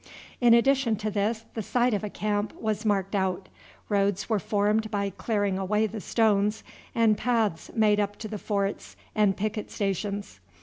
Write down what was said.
In addition to this the site of a camp was marked out, roads were formed by clearing away the stones, and paths made up to the forts and picket stations.